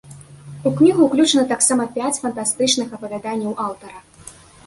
У кнігу ўключана таксама пяць фантастычных апавяданняў аўтара.